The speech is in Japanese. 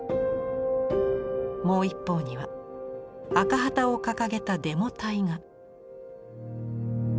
もう一方には赤旗を掲げたデモ隊が。